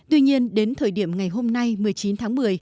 tuy nhiên đến thời điểm ngày hôm nay một mươi chín tháng một mươi